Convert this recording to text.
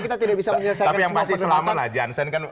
tapi yang masih selama lah jansen